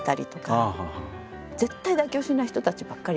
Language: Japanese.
絶対妥協しない人たちばっかりですから。